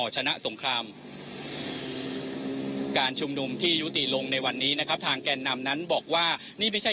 จะไม่มีความรุนแรงใด